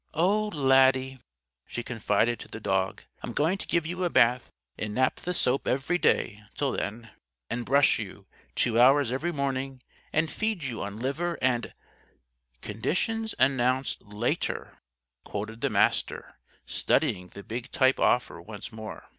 Oh, Laddie," she confided to the dog, "I'm going to give you a bath in naphtha soap every day till then; and brush you, two hours every morning; and feed you on liver and " "'Conditions announced later,'" quoted the Master, studying the big type offer once more.